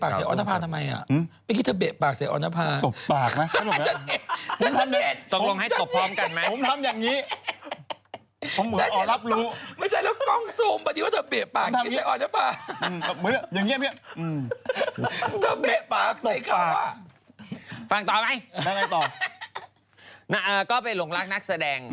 ก็เป็นหลงรักนักแสดง